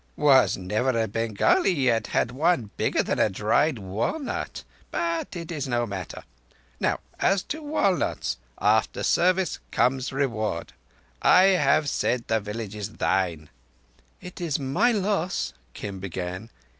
"Was never a Bengali yet had one bigger than a dried walnut. But it is no matter ... Now as to walnuts. After service comes reward. I have said the village is thine." "It is my loss," Kim began.